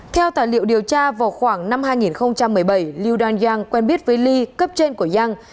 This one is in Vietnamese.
theo tài liệu điều tra vào khoảng năm hai nghìn một mươi bảy liu danjiang quen biết với li cấp trên của giang